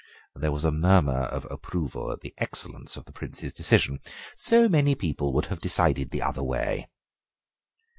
There was a murmur of approval at the excellence of the Prince's decision; so many people would have decided the other way.